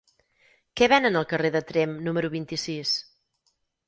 Què venen al carrer de Tremp número vint-i-sis?